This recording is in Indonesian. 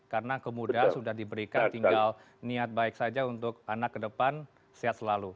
karena kemudahan sudah diberikan tinggal niat baik saja untuk anak ke depan sehat selalu